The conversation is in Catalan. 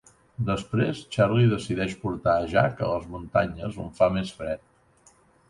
Després, Charlie decideix portar a Jack a les muntanyes on fa més fred.